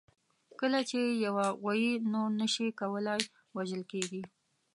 کله چې یوه غویي نور نه شي کولای، وژل کېږي.